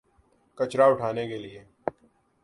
کچرا اٹھانے کے لیے۔